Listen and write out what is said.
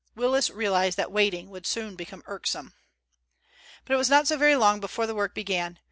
Willis realized that waiting would soon become irksome. But it was not so very long before the work began.